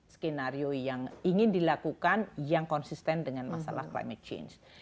skenario yang ingin dilakukan yang konsisten dengan masalah climate change